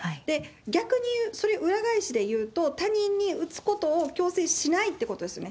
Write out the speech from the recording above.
逆にいう、それを裏返しでいうと、他人に打つことを強制しないってことですよね。